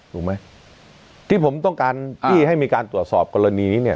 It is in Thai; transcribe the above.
ถูกไหมที่ผมต้องการที่ให้มีการตรวจสอบกรณีนี้เนี่ย